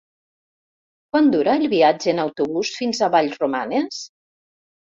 Quant dura el viatge en autobús fins a Vallromanes?